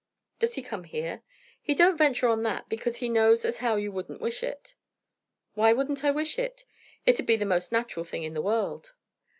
"Does he come here?" "He don't venture on that, because he knows as how you wouldn't wish it." "Why shouldn't I wish it? It'd be the most natural thing in the world."